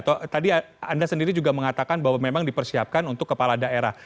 atau tadi anda sendiri juga mengatakan bahwa memang dipersiapkan untuk kepala daerah